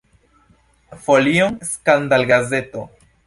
Folion skandalgazeto.